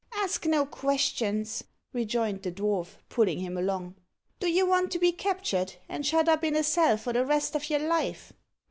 "Ask no questions," rejoined the dwarf, pulling him along. "Do you want to be captured, and shut up in a cell for the rest of your life?"